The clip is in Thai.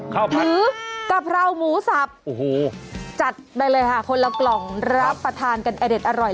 คือกะเพราหมูสับโอ้โหจัดไปเลยค่ะคนละกล่องรับประทานกันอเด็ดอร่อย